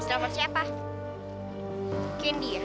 selamat siapa gendy ya